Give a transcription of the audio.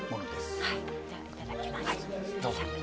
いただきます。